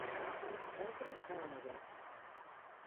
Dentro, unha muller.